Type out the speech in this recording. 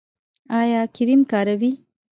ایا کریم کاروئ؟